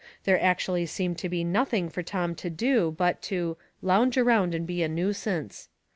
There actually seemed to be nothing for Tom to do but to " lounge around and be a nuisance."